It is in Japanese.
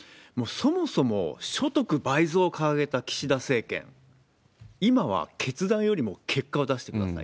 そもそも、所得倍増を掲げた岸田政権、今は決断よりも結果を出してください。